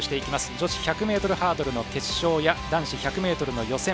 女子１００ｍハードルの決勝や男子１００ｍの予選。